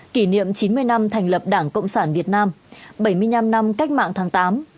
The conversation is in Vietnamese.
kỷ niệm chín mươi năm thành lập đảng cộng sản việt nam bảy mươi năm năm cách mạng tháng tám